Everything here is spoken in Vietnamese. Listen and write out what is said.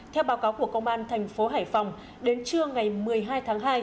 theo báo cáo của công an tp hải phòng đến trưa ngày một mươi hai tháng hai